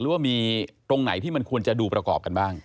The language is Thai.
หรือว่ามีตรงไหนที่มันควรจะดูประกอบกันบ้าง